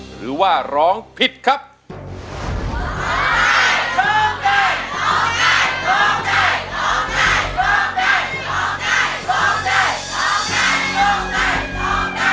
หรือว่าร้องไปแล้วนะครับ